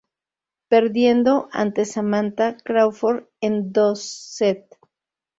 Perdiendo ante Samantha Crawford en dos set.